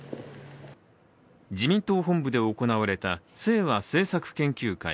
自民党本部で行われた清和政策研究会。